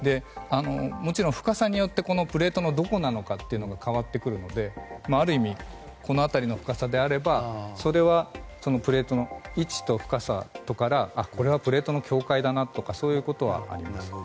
もちろん深さによってプレートのどこなのかが変わってくるので、ある意味この辺りの深さであればプレートの位置と深さからこれはプレートの境界だなとかそういうことはありますね。